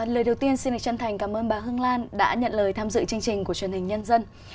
lời đầu tiên xin lịch chân thành cảm ơn bà hương lan đã nhận lời tham dự chương trình của truyền hình nhân dân